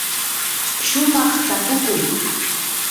shumaq tapukuy.